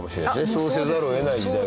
そうせざるを得ない時代が。